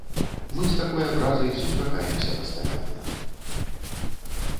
Мы з такой абразай сустракаемся пастаянна.